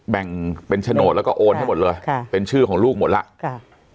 แบ่งเป็นโฉนดแล้วก็โอนให้หมดเลยค่ะเป็นชื่อของลูกหมดแล้วค่ะ